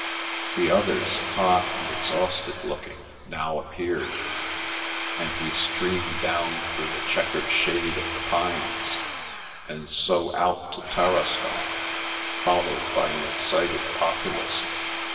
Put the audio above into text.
The others, hot and exhausted looking, now appeared, and we streamed down through the chequered shade of the pines, and so out to Tarascon, followed by an excited populace.